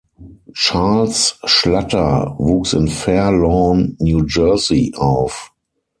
Charles Schlatter wuchs in Fair Lawn, New Jersey auf.